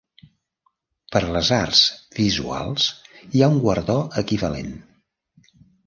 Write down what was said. Per a les arts visuals hi ha un guardó equivalent.